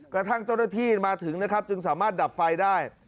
กระทั่งเจ้าหน้าที่มาถึงนะครับจึงสามารถดับไฟได้